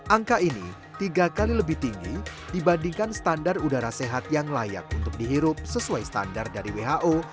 angka ini tiga kali lebih tinggi dibandingkan standar udara sehat yang layak untuk dihirup sesuai standar dari who